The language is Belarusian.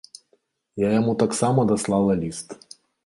Я яму таксама даслала ліст.